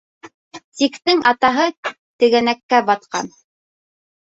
«Тик»тең атаһы тегәнәккә батҡан.